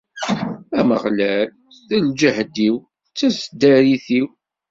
Ameɣlal, d lǧehd-iw, d taseddarit-iw.